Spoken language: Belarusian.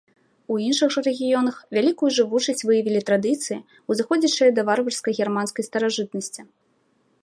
У іншых жа рэгіёнах вялікую жывучасць выявілі традыцыі, узыходзячыя да варварскай германскай старажытнасці.